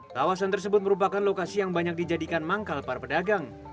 kawasan tersebut merupakan lokasi yang banyak dijadikan manggal para pedagang